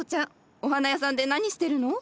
お花屋さんで何してるの？